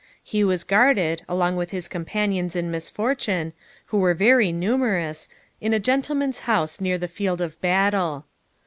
He was guarded, along with his companions in misfortune, who were very numerous, in a gentleman's house near the field of battle.